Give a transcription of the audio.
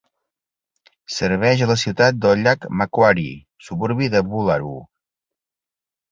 Serveix a la ciutat del llac Macquarie, suburbi de Boolaroo.